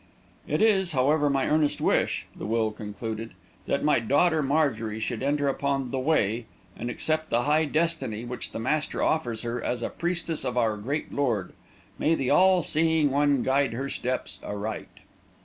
"It is, however, my earnest wish", the will concluded, "that my daughter Marjorie should enter upon the Way, and accept the high destiny which the Master offers her as a Priestess of our Great Lord. May the All Seeing One guide her steps aright!"